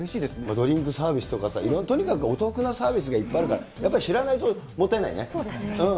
ドリンクサービスとかさ、とにかくお得なサービスがいっぱいあるから、やっぱり知らないとそうですね。